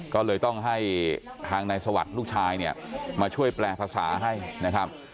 ก็เลยต้องให้ทางนายสวัสดิ์ลูกชายเนี่ยมาช่วยแปลภาษาให้นะครับ